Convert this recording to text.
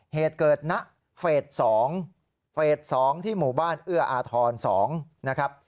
เหตุเกิดณเฟส๒เฟส๒ที่หมู่บ้านเอื้ออาทร๒นะครับ